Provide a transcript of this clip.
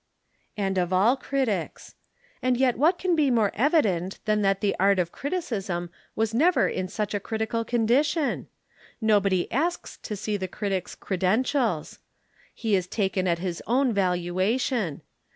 "And of all critics. And yet what can be more evident than that the art of criticism was never in such a critical condition? Nobody asks to see the critic's credentials. He is taken at his own valuation.